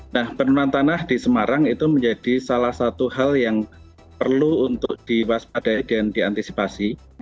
nah penurunan tanah di semarang itu menjadi salah satu hal yang perlu untuk diwaspadai dan diantisipasi